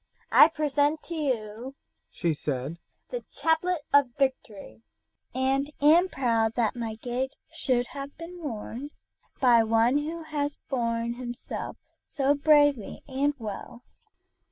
"I present to you," she said, "the chaplet of victory, and am proud that my gage should have been worn by one who has borne himself so bravely and well.